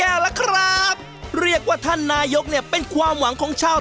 เอาแล้วอันที่๕ของใครของใคร